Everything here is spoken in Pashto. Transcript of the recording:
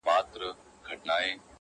له ستړتیا یې خوږېدی په نس کي سږی.!